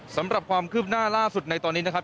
สำหรับความคืบหน้าล่าสุดในตอนนี้นะครับ